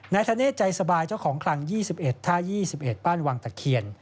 ในทะเลใจสบายเจ้าของคลัง๒๑๒๑ป้านวังตะเขียน